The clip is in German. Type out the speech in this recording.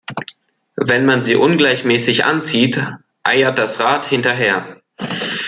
Wenn man sie ungleichmäßig anzieht, eiert das Rad hinterher.